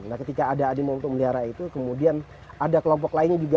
nah ketika ada animo untuk melihara itu kemudian ada kelompok lainnya juga